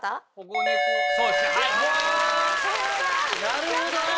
なるほど！